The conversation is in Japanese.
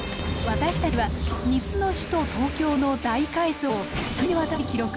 私たちは日本の首都東京の大改造を３年にわたって記録。